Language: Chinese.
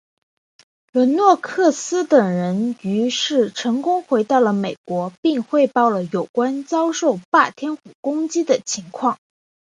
伦诺克斯等人于是成功回到了美国并汇报了有关遭受霸天虎攻击的情况。